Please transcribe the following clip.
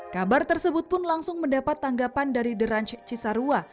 kabar tersebut pun langsung mendapat tanggapan dari the ranch cisarua